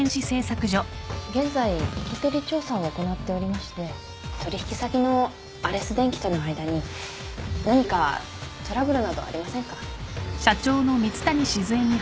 現在聞き取り調査を行っておりまして取引先のアレス電機との間に何かトラブルなどありませんか？